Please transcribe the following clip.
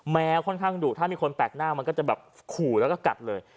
ค่อนข้างดุถ้ามีคนแปลกหน้ามันก็จะแบบขู่แล้วก็กัดเลย